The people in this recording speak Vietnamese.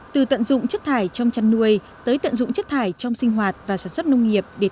từ tận dụng chất thải trong chăn nuôi tới tận dụng chất thải trong sinh hoạt và sản xuất nông nghiệp